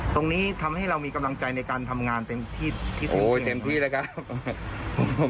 ตรงนี้ทำให้เรามีกำลังใจในการทำงานเต็มที่โอ้เต็มที่เลยครับ